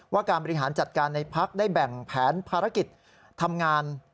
การบริหารจัดการในพักได้แบ่งแผนภารกิจทำงาน